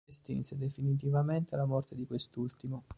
Si estinse definitivamente alla morte di quest'ultimo.